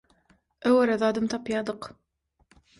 Öwere zadam tapýardyk